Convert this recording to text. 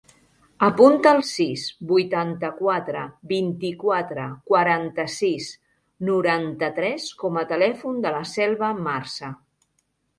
Apunta el sis, vuitanta-quatre, vint-i-quatre, quaranta-sis, noranta-tres com a telèfon de la Selva Marza.